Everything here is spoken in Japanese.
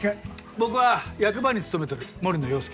僕は役場に勤めとる森野洋輔。